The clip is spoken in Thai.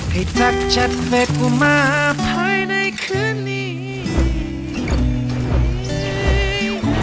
ให้ทักชัดเฟสกูมาภายในคืนนี้